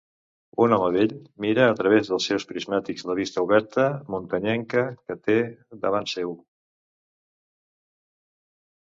Un home vell mira a través dels seus prismàtics la vista oberta, muntanyenca que té davant seu.